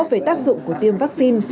về tác dụng của tiêm vaccine